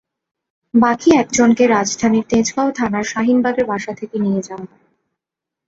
বাকি একজনকে রাজধানীর তেজগাঁও থানার শাহীনবাগের বাসা থেকে নিয়ে যাওয়া হয়।